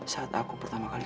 saat aku pertama kali